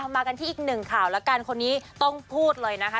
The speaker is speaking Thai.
มากันที่อีกหนึ่งข่าวแล้วกันคนนี้ต้องพูดเลยนะคะ